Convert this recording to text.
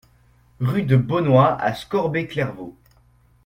Rue de Bonnoy à Scorbé-Clairvaux